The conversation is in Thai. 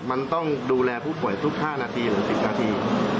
มันต้องดูแลผู้ป่วยทุก๕นาทีหรือ๑๐นาที